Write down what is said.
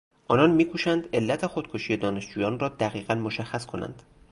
آنان میکوشند علل خودکشی دانشجویان را دقیقا مشخص کنند.